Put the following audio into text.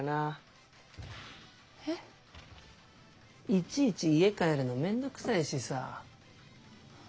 いちいち家帰るのめんどくさいしさぁ。